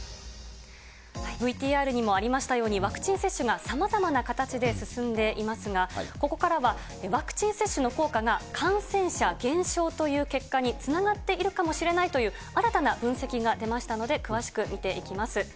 ＶＴＲにもありましたように、ワクチン接種がさまざまな形で進んでいますが、ここからはワクチン接種の効果が、感染者減少という結果につながっているかもしれないという新たな分析が出ましたので、詳しく見ていきます。